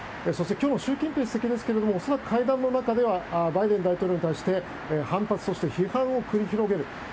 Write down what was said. そして、今日の習近平主席ですが恐らく会談の中ではバイデン大統領に対して反発、そして批判を繰り広げる。